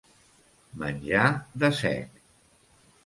Menjar de sec.